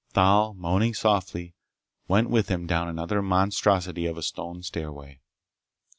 Thal, moaning softly, went with him down another monstrosity of a stone stairway.